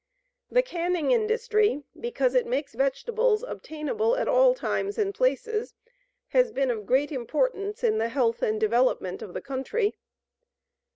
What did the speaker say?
The canning industry, because it makes vegetables obtainable at all times and places, has been of great importance in the health and development of the country.